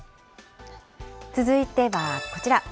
続いてはこちら。